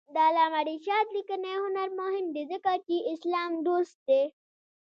د علامه رشاد لیکنی هنر مهم دی ځکه چې اسلام دوست دی.